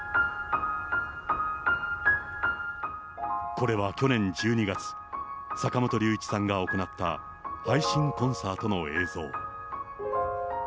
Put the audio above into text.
これは去年１２月、坂本龍一さんが行った、配信コンサートの映像。